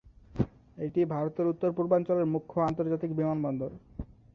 এইটি ভারতের উত্তর-পূর্বাঞ্চলের মুখ্য আন্তর্জাতিক বিমান বন্দর।